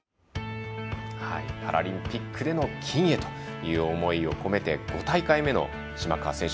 パラリンピックでの金へという思いを込めて５大会目の島川選手。